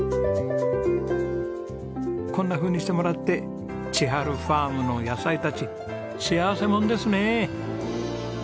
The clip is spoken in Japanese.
こんなふうにしてもらってちはるふぁーむの野菜たち幸せもんですね。